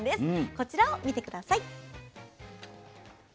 こちらを見て下さい。